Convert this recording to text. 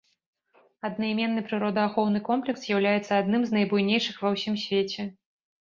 Аднайменны прыродаахоўны комплекс з'яўляецца аднім з буйнейшых ва ўсім свеце.